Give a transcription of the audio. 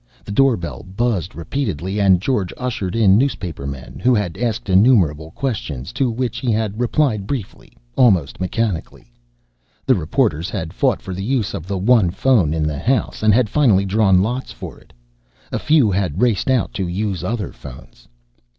The doorbell buzzed repeatedly and George ushered in newspapermen who had asked innumerable questions, to which he had replied briefly, almost mechanically. The reporters had fought for the use of the one phone in the house and had finally drawn lots for it. A few had raced out to use other phones.